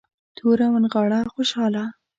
توره ونغاړه خوشحاله.